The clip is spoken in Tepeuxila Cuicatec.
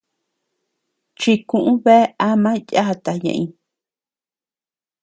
Chikuʼu bea ama yata ñeʼeñ.